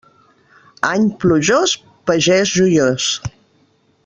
Any plujós, pagès joiós.